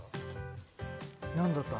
何だった？